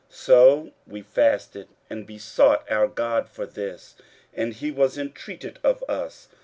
15:008:023 So we fasted and besought our God for this: and he was intreated of us.